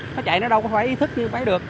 nó chạy nó đâu có phải thức như phải được